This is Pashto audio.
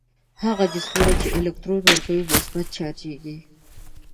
هغه جسمونه چې الکترون ورکوي مثبت چارجیږي.